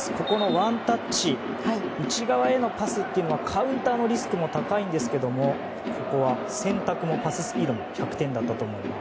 ワンタッチで内側へのパスはカウンターのリスクも高いんですがここは選択もパススピードも１００点だったと思います。